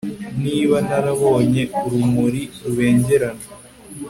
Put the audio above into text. niba narabonye urumuri rubengerana